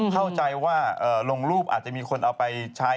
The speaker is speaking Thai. เข้าใจว่าลงรูปอาจจะมีคนเอาไปใช้